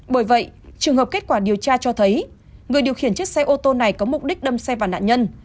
bởi vậy trường hợp kết quả điều tra cho thấy người điều khiển chiếc xe ô tô này có mục đích đâm xe vào nạn nhân